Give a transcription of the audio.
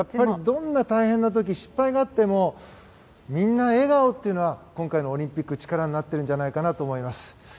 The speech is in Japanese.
どんな大変な時失敗があってもみんな笑顔というのは今回のオリンピック力になっているんじゃないかと思います。